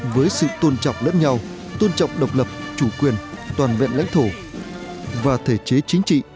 với sự tôn trọng lẫn nhau tôn trọng độc lập chủ quyền toàn vẹn lãnh thổ và thể chế chính trị